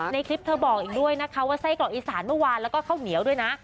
ในคลิปเธอบอกอีกด้วยนะคะว่าไส้กรอกอีสานเมื่อวานแล้วก็ข้าวเหนียวด้วยนะ